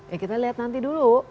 ya kita lihat nanti dulu